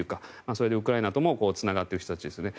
それでウクライナともつながっている人たちですよね。